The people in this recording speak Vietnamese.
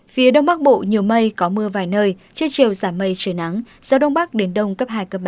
phía đông bắc bộ nhiều mây có mưa vài nơi chưa chiều giảm mây trời nắng gió đông bắc đến đông cấp hai ba